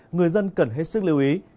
người dân cần hết sức lưu ý